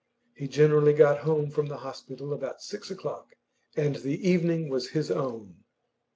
He generally got home from the hospital about six o'clock, and the evening was his own.